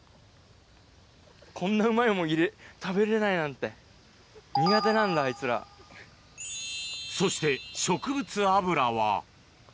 こんなうまいの食べれないなんて。苦手なんだ、あいつら。そして、植物油は。